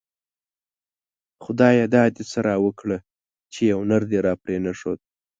خدايه دا دی څه راوکړه ;چی يو نر دی راپری نه ښود